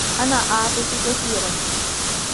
أنا أعْطُس كثيراً.